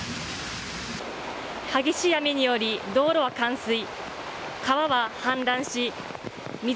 激しい雨により道路は冠水。